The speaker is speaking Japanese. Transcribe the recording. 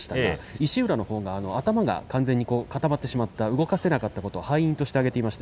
石浦のほうが頭が完全に固まってしまった、動かせなかったことを敗因として挙げていました。